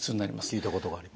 聞いたことがあります。